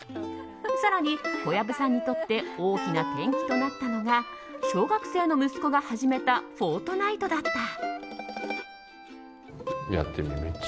更に、小籔さんにとって大きな転機となったのが小学生の息子が始めた「フォートナイト」だった。